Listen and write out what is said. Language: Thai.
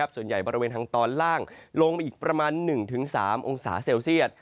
ส่วนใหญ่บริเวณทางตอนล่างลงไปอีกประมาณ๑๓องศาเซลเซียต